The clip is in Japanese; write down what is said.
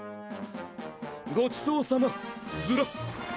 ごちそうさまズラ。